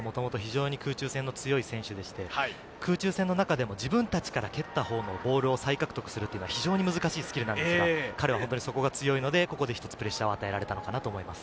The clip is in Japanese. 野口選手は、もともと非常に空中戦の強い選手で、空中戦の中でも自分たちから蹴った方のボールを再獲得するのは非常に難しいスキルなんですが、彼は本当にそこが強いので、ここで１つ、プレッシャーを与えられたかと思います。